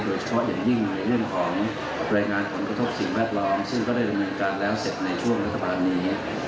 โดยเฉพาะอย่างยิ่งในเรื่องของรายงานผลกระทบสิ่งแวดล้อมซึ่งก็ได้ดำเนินการแล้วเสร็จในช่วงรัฐบาลนี้